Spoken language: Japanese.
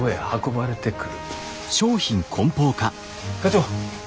課長。